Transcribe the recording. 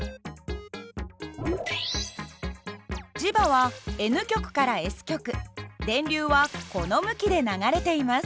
磁場はＮ極からＳ極電流はこの向きで流れています。